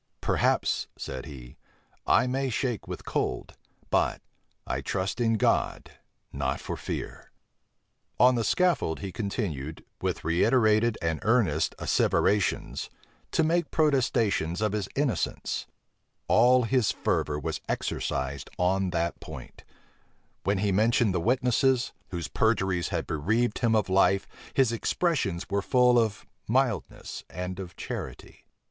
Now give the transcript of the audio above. "Perhaps," said he, "I may shake with cold; but, I trust in God, not for fear." On the scaffold, he continued, with reiterated and earnest asseverations, to make protestations of his innocence: all his fervor was exercised on that point: when he mentioned the witnesses, whose perjuries had bereaved him of life, his expressions were full of mildness and of charity.